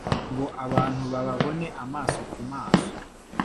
ngo abantu bababone amaso ku maso